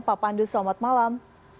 pak pandu selamat malam